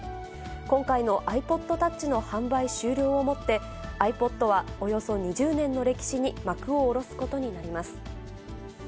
今回のｉＰｏｄｔｏｕｃｈの販売終了をもって、ｉＰｏｄはおよそ２０年の歴史に幕を下ろすことになります。